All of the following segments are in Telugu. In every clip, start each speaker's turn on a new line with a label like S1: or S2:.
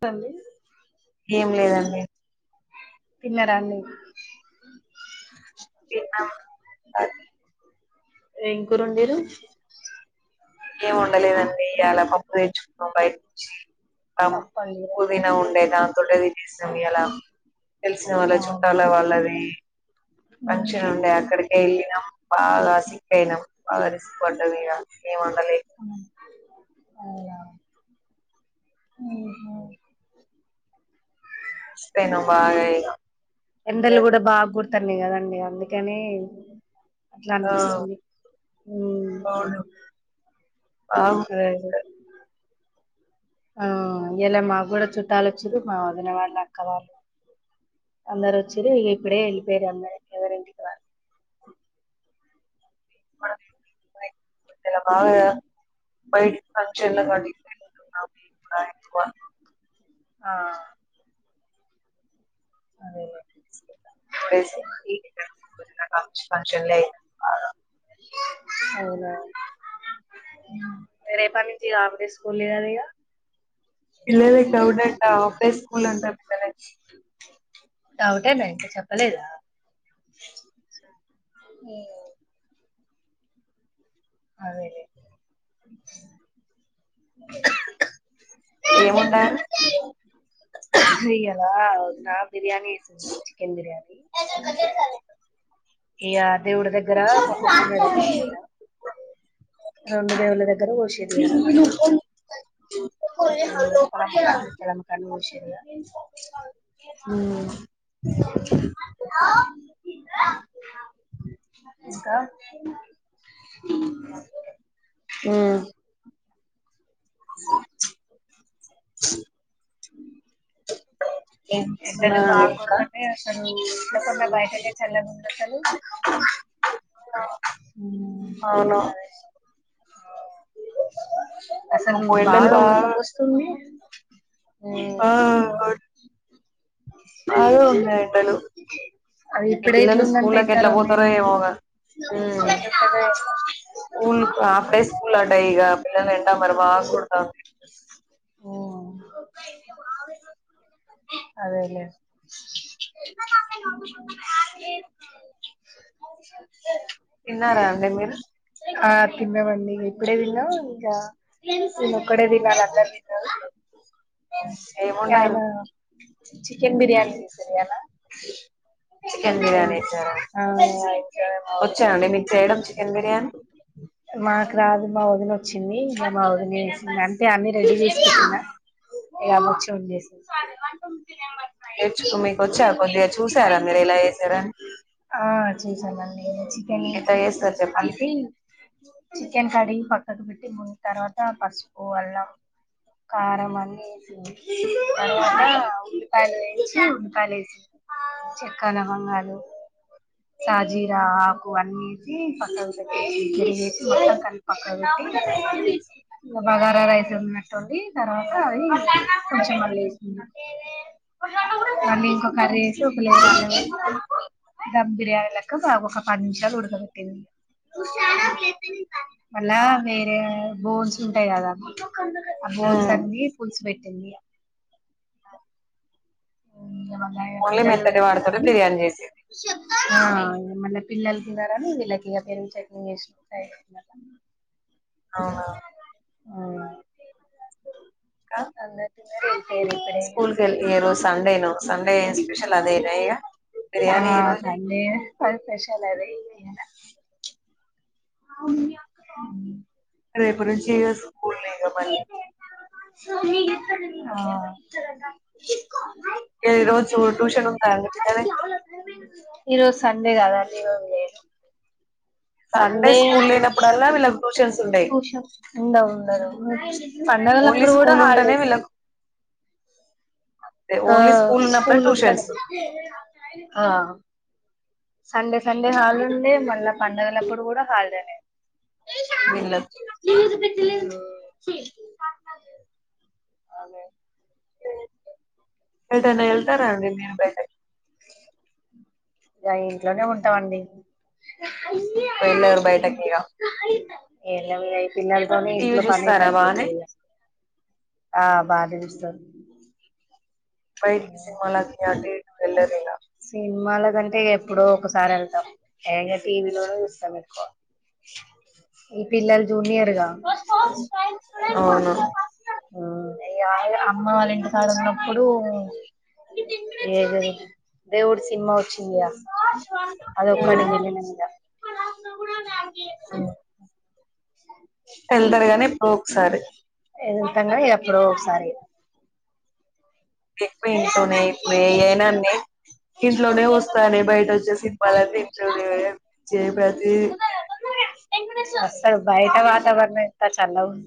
S1: కాే
S2: ఏం లేదండి
S1: తిన్నరండి
S2: తిన్న
S1: ఎం కూరరుండిండ్రు
S2: ఇంకేం వండాలేదండి ఇవ్వల పప్పు తెచ్చుకున్నాం బయట నుంచి
S1: పప్పండి
S2: పుదీనా ఉండే దాంతోటే తినేసినం ఇవ్వల చ తెలిసిన వాళ్ళ
S1: ఉమ్
S2: చుట్టాల వాళ్ళది ఫంక్షన్ ఉండే అక్కడ ఎల్లినం బాగా సిక్ అయినం బాగా అలసి పడ్డం ఇగ ఎమ్ వండాలె
S1: అవున అయ్యో
S2: అలసిపోయిన్నం బాగా ఇగ
S1: ఎండలు కూడా బా కోడ్ తన్నై కదండి అందుకని అట్లా
S2: ఆ
S1: అనిపిస్తుంది హు
S2: అవును బాగు
S1: సరే ఆ ఇయల మాకు కూడా చుట్టాలు వచ్చిరు మా వదిన వాళ్ళు అక్క వాళ్ళు అందరు వచ్చిరు ఇగ ఇప్పుడే ఎల్లిపోఇల్లు అందరు ఎవరింటికి వాళ్ళు
S2: వ బై ఇక్కడ బాగా బయటికి ఫంక్షన్ లకు అటు ఇటు అవి పాయింట్ వన్
S1: ఆ అదే
S2: టుడేస్ ఫంక్షన్లే
S1: అవున ఉ రేపనుంచి ఇగ ఆఫ్ డే స్కూల్లు కదా ఇగ
S2: పిల్లలు ఇక ఒకడంట ఒకటే స్కూల్ అంట పిల్లలకి
S1: డౌట్ లే చెప్పలేద హు అదేలే
S2: ఏముండారు
S1: పొద్దున బిర్యానీ ఎసింది చికెన్ బిర్యానీ ఇగ దేవుడి దగ్గర మొక్కుకున్నడన్నమాట ఈయన రొండు దేవుళ్ళ దగ్ గ్గర కోశీర్రు ఇయ్యల పొలంకాడ ఉప్పలమ్మా కన్నే కోషిర్రిగా
S2: ఉమ్
S1: ఇంకా ఉమ్
S2: హు ఏం
S1: ఎండలు
S2: చేస్తున్నారు
S1: బాగా
S2: ఇంకా
S1: కొడతన్నయి అసలు ఇంట్లకన్న బయటనే చల్లగా ఉంది అసలు
S2: అవును
S1: అదే అసలు
S2: అమ్మో ఎండలు
S1: బగా ఊడక
S2: బాగా
S1: పోస్తుంది
S2: ఆ మా ఉన్నాయి ఎండలు
S1: అవి ఇప్పుడే
S2: పిల్లలు
S1: ఇట్లుందంటే
S2: స్కూళ్ళకి
S1: ఇంకా
S2: ఎట్లా పోతారో
S1: రెండేళ్ళు
S2: ఏమోగా స్కూల్ హాఫ్ డే స్కూల్ అట ఇగ పిల్లలు ఎండ మరి బాగా కొడుతాంది
S1: అదేలేే
S2: తిన్నారా అండి మీరు
S1: ఆ తిన్నామండి ఇప్పుడే తిన్నా ఇంకా ఈనె ఒక్కడే తినాల అంటండి
S2: ఏముండారు
S1: ఆయినా చికెన్ బిర్యానీ చేసిర్రా ఇయ్యాల
S2: చికెన్
S1: తే
S2: బిర్యానీ వేసారా
S1: ఆ ఇంకా మా వదిన
S2: వచ్చానండి మీకు
S1: చేసింది
S2: చేయడం చికెన్ బిర్యానీ
S1: మాకు రాదు మా వదిన చ్చింది ఇగ మా వదినె చెస్ అంటే అన్ని రెడీ చేసుకున్నా ఇగ ఆమె వచ్చి వండేసింది
S2: ఎచు మీకు వచ్చ కొద్దిగా చూసారా మీరు ఇలా చెసారని
S1: ఆ చేసానండి చికెన్
S2: ఎట్ల చెస్తారు చెప్పండి
S1: కలిపి చికెన్ కడిగి పక్కకు పెట్టి మున్న తర్వాత పసుపు అల్లం కారం అన్ని ఏసింది తరువాత ఉల్లిపాయలేంచి ఉపాయలు వేసి చెక్క లవంగాలు షాజీరా ఆకు అన్నేసి పక్కకుపెట్టే [unintelligible] వేసి మొత్తం కలిపి పక్కకు పెట్టి ఇంగ బగారా రైస్ ఉన్నట్టుండి తర్వాత అది కొంచెం మళ్ళీ వేసుకున్నట్, దాన్ని ఇంకో కర్రీ చేసి ఒక లేయర్ దాంలో వోసి దమ్ బిరియానీ లెక్క వా ఒక, మంచగ ఉడక వెట్టేదిగ మళ్ళా వేరే బోన్స్ ఉంటాయ్ గదా, ఆ బోన్స్ అన్ని పుల్స్ పెట్టిందిగ. హ్మ్ అమ్మయ
S2: ఓన్లీ
S1: పిల్లలు
S2: మెత్తటి
S1: తిన్నారా
S2: వాడుతోనే
S1: అండి
S2: బిర్యానీ చేసేది
S1: ఆ ఏమల్లే పిల్లల్ తినరని వీళ్ళకి ఇగ పెరుగు చెట్నీ చేసిన [unintelligible]
S2: అవునా
S1: అందరు తిన్నారు ఎల్లిపోయారు ఇప్పుడే
S2: స్కూల్ కెళ్ళనీయరు సండేను సండే స్పెషల్ అదేన ఇగ బిర్యానీ ఈ రోజు
S1: అద్ స్పెషల్ అదే ఇగ ఆ మీ అక్క బాగుంది
S2: రేపు నుంచి వేసు
S1: సరే ఆ
S2: ఈ రోజు ట్యూషన్ ఉంటాదంట కదే
S1: ఈ రోజు సండే కాదండి ఈ రోజు లేదు సండే
S2: స్కూల్ లేనప్పుడల్లా వీళ్ళకి ట్యూషన్స్ ఉంటాయి
S1: ట్యూషన్స్ ఉండవు ఉండదు
S2: ఓన్లీ
S1: పండగలప్పుడు కూడా
S2: స్కూల్ ఉంటేనే
S1: హాలిడేసే,
S2: వీళ్ళకు
S1: ఆ
S2: ఓన్లీ ఉన్నప్పుడే
S1: స్కూల్ ఉంటేనే
S2: ట్యూషన్స్
S1: ఆ సండే సండే హాల్డ్ ఉండే మళ్ళా పండగలప్పుడు కూడా హాలిడేనే
S2: విళ్ళ
S1: అదే
S2: యెటనా యెళ్తారాండి మీరు బయటకి
S1: ఇగ ఇంట్లోనే ఉంటామండి
S2: వెళ్ళరు బయటికిగ
S1: ఎల్లవులే పిల్లలతోనే ఇంట్లో పనే
S2: బానే
S1: సరిపోతదిగ ఆ బాధే జర్
S2: బైట్కి సినిమాలకి అండి వెళ్ళరింగా
S1: సినిమాల కంటే ఎప్పుడో ఒకసారి వెళ్తాం, ఏ ఇంగ టీవీలో నే చూస్సాం ఎక్కువ ఈ పిల్లల్ జూన్నియర్.
S2: అవును
S1: మ్మ్ అయ అమ్మ వాళ్ళ ఇంటికాడున్నప్పుడు ఏ దేవు దేవుడు సిమా వచ్చ
S2: ఉమ్
S1: అదొక్కటిగాళద గూడా దానికే ఏడుస్తది స
S2: వెళ్తారు గాని ఎప్పుడో ఒకసారి
S1: ఇదింతం గాని ఎప్పుడో ఒకసారి
S2: ఎక్కువ ఇంట్లోనే ఎక్కువ ఏ అయినాన్న ఇంట్లోనే వస్తానే బయట వచ్చేసి వలర్ందింటంది బజ
S1: అస్సలు బయట వాతావరణం చల్లగుం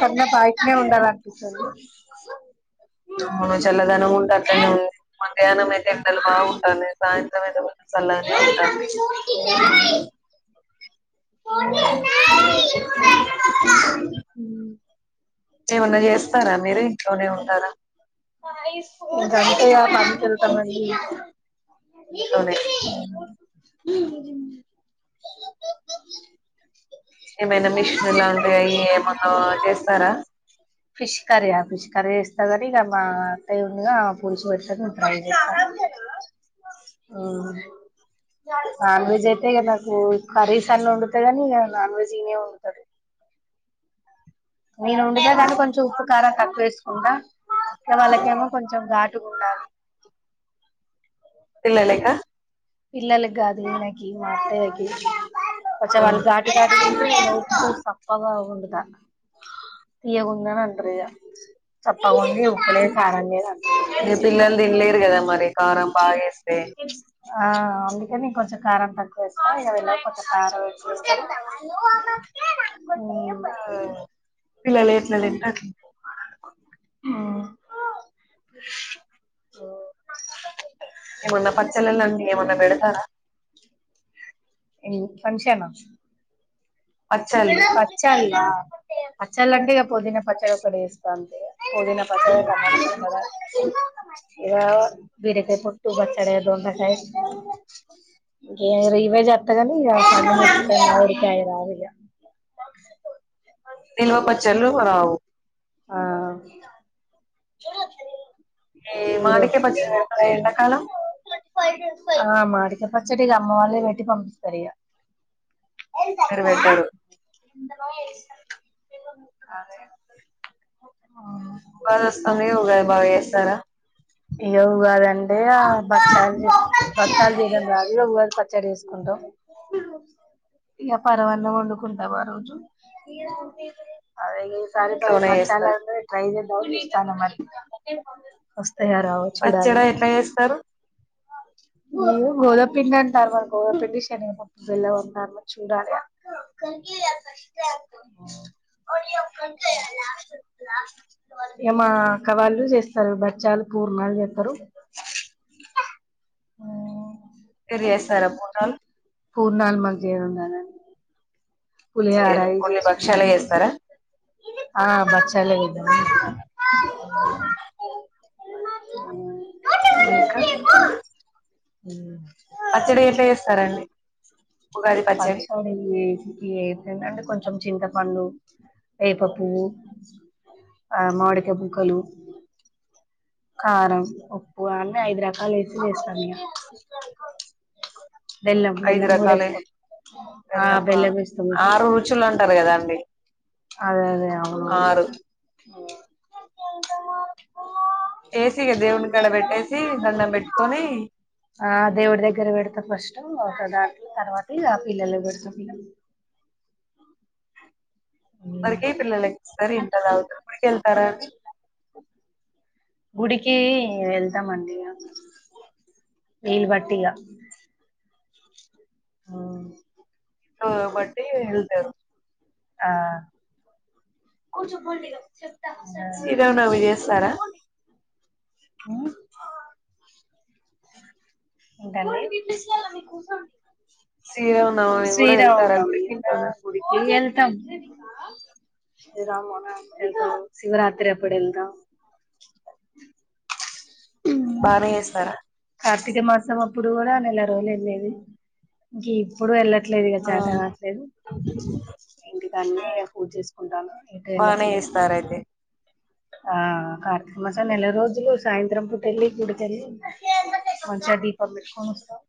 S1: కన్నా బయటనే ఉండాలనిపిస్తుంది
S2: అవును చల్లదనం ఉంటే అట్లనే మధ్యాహ్నం అయితే ఎండలు బాగుండును సాయంత్రం సమేమ సల్లగనే ఉంటాంది ఏమన్నా జేస్తారా మీర ట్లోనే ఉంటారా
S1: యి గంతే ఇగ పనికెళ్తామండి
S2: ఇంట్లోనే ఏమైనా మిషన్ లాంటేవి ఏమందో చేస్తారా
S1: స సరగామ్మా అత్త అయి ఉందిగా పూడిచి పెడతారును మళ్ళీ స్టార్ట్ హమ్ నాన్ వెజ్ చెయితే క ఓ కర్రీస్ అన్ని వండుతా కానీ ఇగ నాన్ వెజ్నే వండుతడు నేను ఉండగా కానీ కొంచెం ఉప్పు కారం తక్కువేసుకుంట ఇక వాళ్ళకేమో కొంచెం ఘాట్ ఉండాలి
S2: పిల్లల్లేకా
S1: పిల్లలాగాదు ఈయనకి మాత్తయ్యకి కొంచెం
S2: ఇగ
S1: వాళ్ళు ఘటు ఘాటుగా తింటే నేను ఉప్పు సప్పాగ తీయగుందా అనంటరిగ సప్పగుంది ఉప్పులే కారం లేదు
S2: పిల్లలు తినలేరు కదా మరి కారం బాగాస్తే
S1: ఆ అందుకే నేను కొంచెం కారం తక్కువేస్తా ఇవైనా కొంచ కారం వ
S2: ఆ పిల్లలు ఏట్లా లేంటలే
S1: హమ్ ఓ
S2: ఏమన్నా పచ్చలె అండి ఏమన్నా వెడత
S1: ఫంక్షన్
S2: పచ్చళ్ళు
S1: పచ్చళ్ పచ్చళ్ళ అంటే ఇ పుదీనా పచ్చలు ఒకటి వేస్త అంతే పోదినా పచద కమానా పచాద ఇ బీరకాయ పుట్టు బచ్చడ దకాయి రివేజ్ అ క అడికాయ రావ
S2: నిల్వ పచ్చలువు
S1: ఆ చ
S2: ఈ మాడిక పచ్చ ఎండకాలం
S1: ఆ మాడిక పచ్చడిక అమ్మ వాళ్ళే పెట్టి పంపిస్తారు ఇక
S2: పరు పెట్టాడు బ కమగా భాబ ఏ సారా
S1: ఎవరని ఎ ఆ బాచలు బాచలు రీసన్ కాదు పచ్చడి చే ఇగ పరన్నం వాడుకుంటాం అ రోజు సారి స
S2: ఇంట్లోనే
S1: మర్ చాల
S2: చేస్తారు
S1: ట్రై చాల మ
S2: పచ్చడా ఎట్లా చేస్తారు
S1: మీ గోదాపిండి అంటారు మ గోదాపిండి శనగపప్పు వెళ ఉంట అమా చూడాలి ఏమక్కవాళ్ళు చేస్తారు బచ్చాలు పూర్ణలు చేస్తారు హమ్
S2: సర్ చేస్తారా పోంటాలు
S1: పూర్ణాలమ చేంద
S2: స ఓన్లీ భక్షాల చేస్తారా
S1: ఆ బ చలతే నమస్రం
S2: ఇకా
S1: ఊ
S2: పచ్చడి ఎట్లా చేస్తారండి
S1: పచ్చడి ఇ ఏంటంటే కొంచెం చింతపండు వేప పువ్వు ఆ మాడిక ముక్కలు కారం ఒప్పు అని ఐదు రకాల ఎసి వేస్తామ ఇగ బెల్లం
S2: ఐదు
S1: బెల్లం కూడా
S2: రకాలే
S1: ఇస్తాం ఆ బెల్లం ఎస్తాము
S2: ఆరు రుచులు అంటారు కదా అండి
S1: అదే అదే అవును
S2: ఆరు ఏసిగా దేవుని గడ పెట్టేసి దండం పెట్టుకొని
S1: ఆ దేవుడి దగ్గర పెడతా ఫస్ట్ ఒక దాట్లో తర్వాత ఆ పిల్లలు పెడుతా ఇగ
S2: మరికే పిల్లలకి ఇస్తారు ఇట్ దాగుతారు ఇప్పుడికెళ్తారా అడి
S1: గుడికి వెళ్తామండి వీలు బట్టిగా ఆ
S2: బట్ హళ్తేరు
S1: ఆ
S2: శ్రీరవునమి చేస్తారా
S1: ఏంటండి
S2: శ్రీరామనవమి కూడా వెళ్తారా
S1: శ్రీరామనవమి
S2: గుడికి
S1: కూడా
S2: ఇంట్లోనా
S1: గుడికి వెళ్తాం శివరాత్రి ఎప్పుడు అ
S2: బానే చేస్తారా
S1: ఇప్పుడు కూడా నెల రోజులు వెళ్ళలేదు ఇంక ఇప్పుడు వెళ్ళ రాట్లేదు ఇగ
S2: ఆ
S1: చాత కావట్లేదు ఇంటి కాడనే పూజ చేసుకుంటాను ఇంకా
S2: బానే
S1: వెళ్ళట్లేదు
S2: చేస్తారైతే
S1: ఆ కార్తీక మాసం నెల రోజులు సాయంత్రం పూట వెళ్ళి గుడికెళ్ళి మంచిగా దీపం పెట్టుకొని వస్తాం